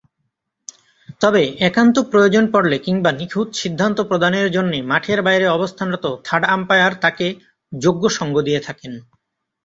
তবে, একান্ত প্রয়োজন পড়লে কিংবা নিখুঁত সিদ্ধান্ত প্রদানের জন্যে মাঠের বাইরে অবস্থানরত থার্ড আম্পায়ার তাঁকে যোগ্য সঙ্গ দিয়ে থাকেন।